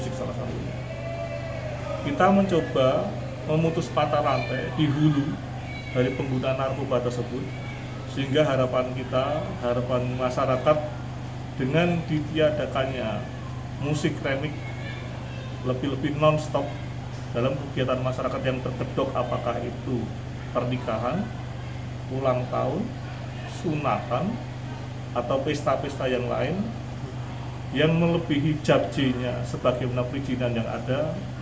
kita mencoba memutus patah rantai di hulu dari pengguna narkoba tersebut sehingga harapan kita harapan masyarakat dengan ditiadakannya musik remik lebih lebih non stop dalam kegiatan masyarakat yang tergedok apakah itu pernikahan ulang tahun sunatan atau pesta pesta yang lain yang melebihi jabjinya sebagai penepil jinan yang ada